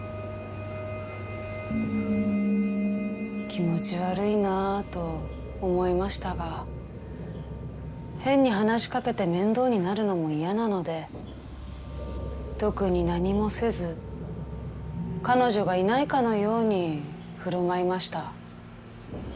気持ち悪いなあと思いましたが変に話しかけて面倒になるのも嫌なので特に何もせず彼女がいないかのように振る舞いました。